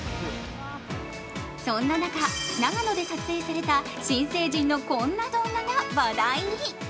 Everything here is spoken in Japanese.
そんな中、長野で撮影された新成人のこんな動画が話題に。